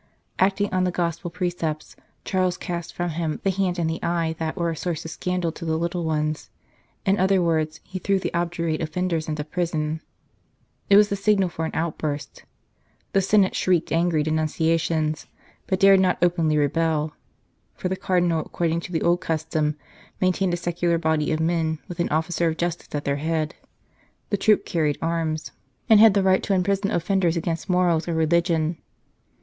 Acting on the Gospel precepts, Charles cast from him the hand and the eye that were a source of scandal to the little ones ; in other words, he threw the obdurate offenders into prison. It was the signal for an outburst. The Senate shrieked angry denunciations, but dared not openly rebel ; for the Cardinal, according to the old custom, maintained a secular body of men, with an officer of justice at their head. This troop carried arms, 74 The Commencement of the Struggle and had the right to imprison offenders against morals or religion.